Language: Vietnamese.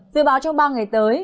dự báo trong ba ngày tới